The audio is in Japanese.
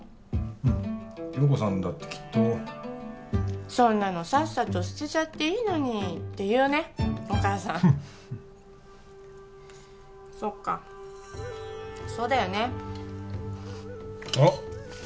うん陽子さんだってきっとそんなのさっさと捨てちゃっていいのにって言うねお母さんそっかそうだよねあっ